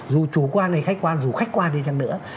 dù chủ quan hay khách quan dù khách quan thì chẳng nữa